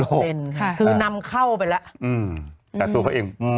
แล้วเป็นค่ะคือนำเข้าไปแล้วอืมแต่ส่วนเพราะเองอืม